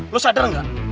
lu sadar gak